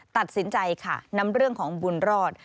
ตัดสินใจค่ะนำเรื่องของบุญรอด